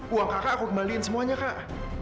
uang kakak aku kembaliin semuanya kak